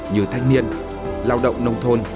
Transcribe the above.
như thanh niên lao động nông thôn